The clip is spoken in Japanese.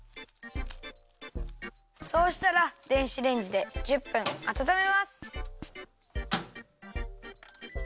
そうしたら電子レンジで１０分あたためます。